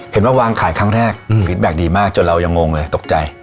เห็นว่าวางขายครั้งแรกอืมฟีดแบบดีมากจนเรายังงงเลยตกใจ